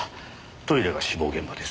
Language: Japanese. トイレが死亡現場です。